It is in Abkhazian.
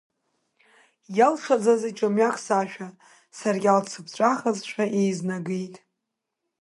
Иалшаӡазеи ҿамҩак сашәа, Саркьал цыԥҵәахазшәа еизнагеит.